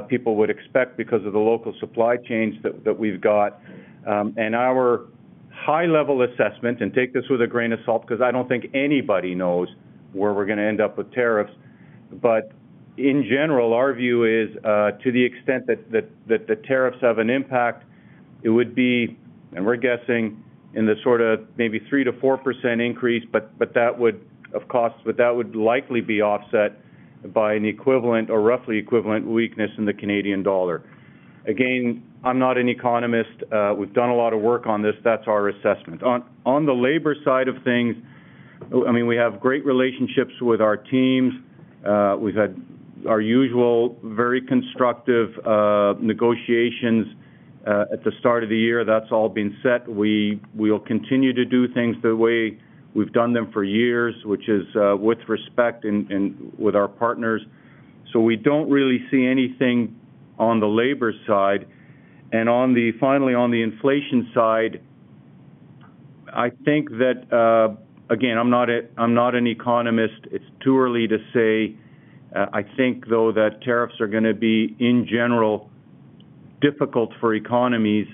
people would expect because of the local supply chains that we've got. Our high-level assessment—and take this with a grain of salt because I don't think anybody knows where we're going to end up with tariffs—in general, our view is to the extent that the tariffs have an impact, it would be—we're guessing—in the sort of maybe 3%-4% increase, but that would, of course, likely be offset by an equivalent or roughly equivalent weakness in the Canadian dollar. Again, I'm not an economist. We've done a lot of work on this. That's our assessment. On the labor side of things, I mean, we have great relationships with our teams. We've had our usual very constructive negotiations at the start of the year. That's all been set. We'll continue to do things the way we've done them for years, which is with respect and with our partners. We don't really see anything on the labor side. Finally, on the inflation side, I think that, again, I'm not an economist. It's too early to say. I think, though, that tariffs are going to be, in general, difficult for economies.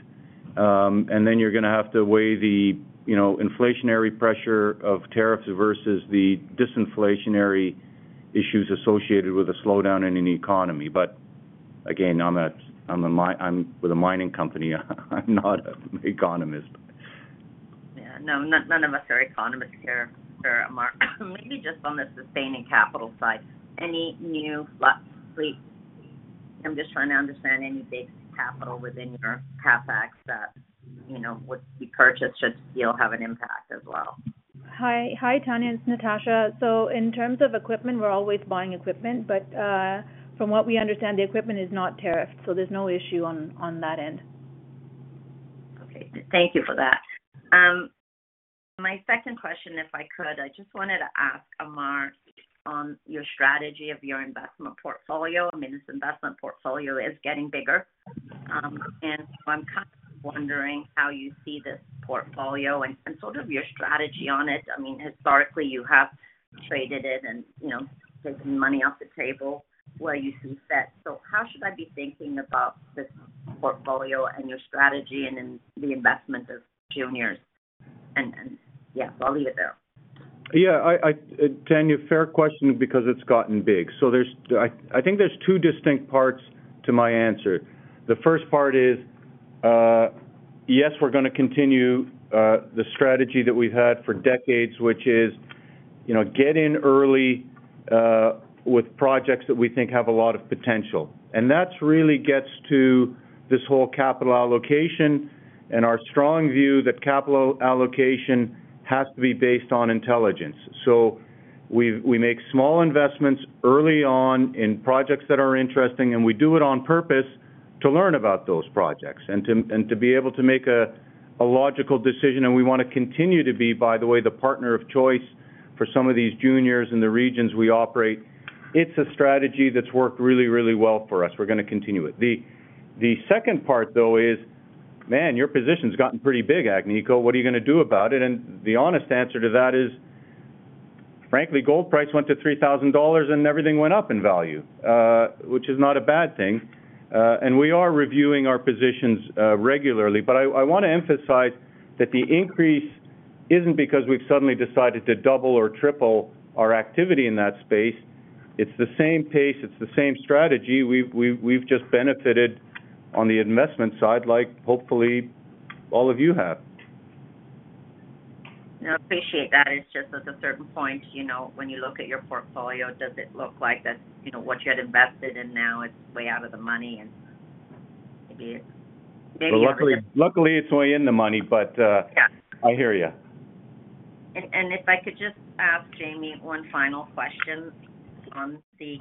You're going to have to weigh the inflationary pressure of tariffs versus the disinflationary issues associated with a slowdown in an economy. Again, I'm with a mining company. I'm not an economist.
Yeah. No, none of us are economists here, Ammar. Maybe just on the sustaining capital side, any new fleet? I'm just trying to understand any big capital within your CapEx that would be purchased should still have an impact as well.
Hi, Tanya. It's Natasha. In terms of equipment, we're always buying equipment. From what we understand, the equipment is not tariffed. There's no issue on that end.
Okay. Thank you for that. My second question, if I could, I just wanted to ask Ammar on your strategy of your investment portfolio. I mean, this investment portfolio is getting bigger. I am kind of wondering how you see this portfolio and sort of your strategy on it. I mean, historically, you have traded it and taken money off the table where you see fit. How should I be thinking about this portfolio and your strategy and then the investment of juniors? Yeah, I will leave it there.
Yeah. Tanya, fair question because it's gotten big. I think there's two distinct parts to my answer. The first part is, yes, we're going to continue the strategy that we've had for decades, which is get in early with projects that we think have a lot of potential. That really gets to this whole capital allocation and our strong view that capital allocation has to be based on intelligence. We make small investments early on in projects that are interesting, and we do it on purpose to learn about those projects and to be able to make a logical decision. We want to continue to be, by the way, the partner of choice for some of these juniors in the regions we operate. It's a strategy that's worked really, really well for us. We're going to continue it. The second part, though, is, man, your position's gotten pretty big, Agnico. What are you going to do about it? The honest answer to that is, frankly, gold price went to $3,000 and everything went up in value, which is not a bad thing. We are reviewing our positions regularly. I want to emphasize that the increase isn't because we've suddenly decided to double or triple our activity in that space. It's the same pace. It's the same strategy. We've just benefited on the investment side, like hopefully all of you have.
Yeah. I appreciate that. It's just at a certain point, when you look at your portfolio, does it look like that what you had invested in now is way out of the money? And maybe it's.
Luckily, it's way in the money, but I hear you.
If I could just ask Jamie one final question on the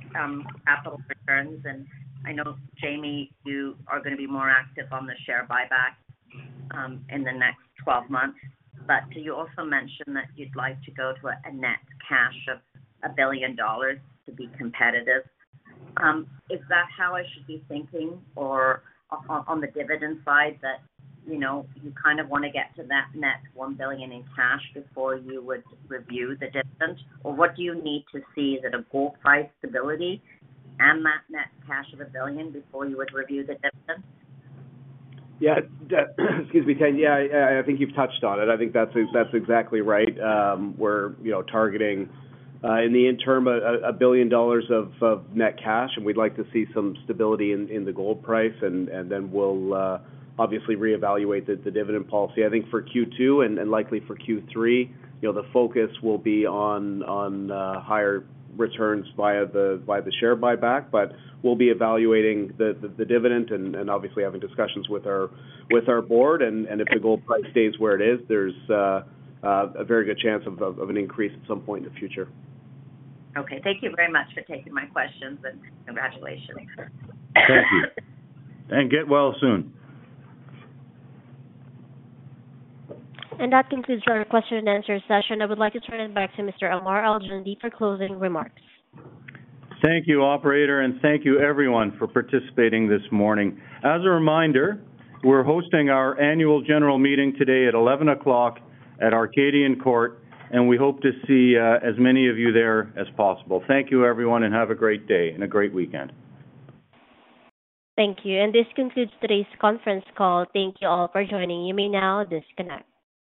capital returns. I know, Jamie, you are going to be more active on the share buyback in the next 12 months. You also mentioned that you'd like to go to a net cash of $1 billion to be competitive. Is that how I should be thinking? On the dividend side, do you kind of want to get to that net $1 billion in cash before you would review the dividend? What do you need to see, that a gold price stability and that net cash of $1 billion before you would review the dividend?
Yeah. Excuse me, Tanya. Yeah, I think you've touched on it. I think that's exactly right. We're targeting, in the interim, $1 billion of net cash. We'd like to see some stability in the gold price. We'll obviously reevaluate the dividend policy. I think for Q2 and likely for Q3, the focus will be on higher returns via the share buyback. We'll be evaluating the dividend and obviously having discussions with our board. If the gold price stays where it is, there's a very good chance of an increase at some point in the future.
Okay. Thank you very much for taking my questions. Congratulations.
Thank you. Get well soon.
That concludes our question and answer session. I would like to turn it back to Mr. Ammar Al-Joundi for closing remarks.
Thank you, Operator. Thank you, everyone, for participating this morning. As a reminder, we're hosting our annual general meeting today at 11:00 A.M. at Arcadian Court. We hope to see as many of you there as possible. Thank you, everyone, and have a great day and a great weekend.
Thank you. This concludes today's conference call. Thank you all for joining. You may now disconnect.